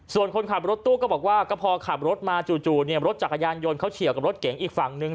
ส่วนคนขับรถตู้ก็บอกว่าก็พอขับรถมาจู่รถจักรยานยนต์เขาเฉียวกับรถเก๋งอีกฝั่งนึง